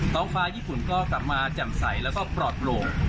ท้องฟ้าญี่ปุ่นก็กลับมาแจ่มใสแล้วก็ปลอดโปร่ง